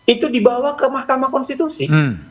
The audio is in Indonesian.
itu dibawa ke mahkamah konstitusi